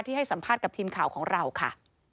ให้สัมภาษณ์กับทีมข่าวของเราค่ะ